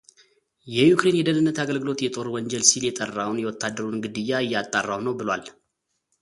የዩክሬን የደህንነት አገልግሎት የጦር ወንጀል ሲል የጠራውን የወታደሩን ግድያ እያጣራሁ ነው ብሏል።